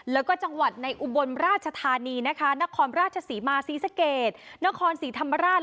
แล้วก็จังหวัดในอุบลราชธานีนะคะนครราชศรีมาศรีสะเกดนครศรีธรรมราช